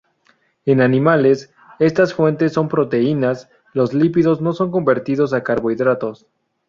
En animales, estas fuentes son proteínas, los lípidos no son convertidos a carbohidratos.